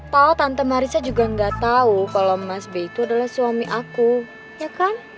tau tante marissa juga gak tau kalau mas b itu adalah suami aku ya kan